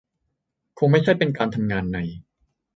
คงไม่ใช่เป็นการทำงานใน